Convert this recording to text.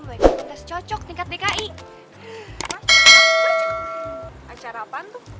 boleh cocek tingkat dki acara apaan tuh